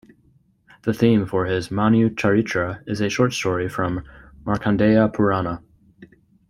The theme for his "Manu Charitra" is a short story from Markandeya Purana.